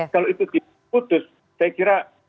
kalau itu diputus saya kira